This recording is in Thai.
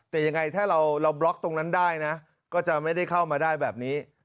แต่ยังไงถ้าเราบล็อกตรงนั้นได้นะก็จะไม่ได้เข้ามาได้แบบนี้